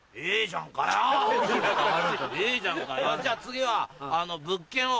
じゃあ次は物件を。